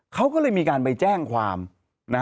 เขาก็เลยมีการไปแจ้งความ